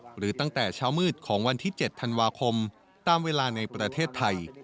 หรือตั้งแต่เช้ามืดของวันที่๗ธันวาคมตามเวลาในประเทศไทย